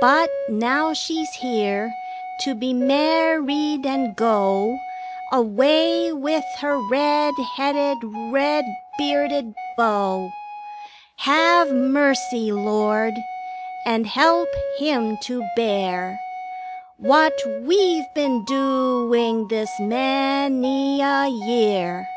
3 But now she's here To be married, and go Away with her red headed, red bearded beau. Have mercy, Lord, And help him to bear What we've been doing this many a year!